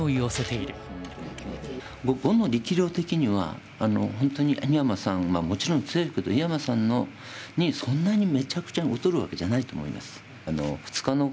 碁の力量的には本当に井山さんはもちろん強いけど井山さんにそんなにめちゃくちゃ劣るわけじゃないと思います。